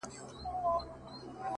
چي له تا مخ واړوي تا وویني ـ